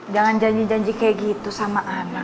jangan janji janji kayak gitu sama anak